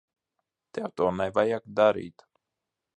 Tev to nevajag darīt.